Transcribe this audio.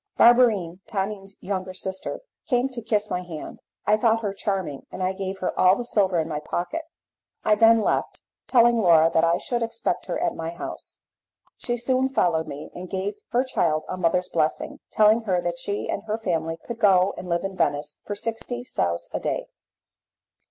Barberine, Tonine's younger sister, came to kiss my hand. I thought her charming, and I gave her all the silver in my pocket. I then left, telling Laura that I should expect her at my house. She soon followed me, and gave her child a mother's blessing, telling her that she and her family could go and live in Venice for sixty sous a day.